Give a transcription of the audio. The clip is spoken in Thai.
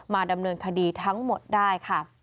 ดำเนินคดีทั้งหมดได้ค่ะ